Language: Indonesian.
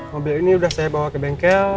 mobil ini sudah saya bawa ke bengkel